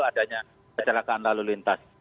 adanya kecelakaan lalu lintas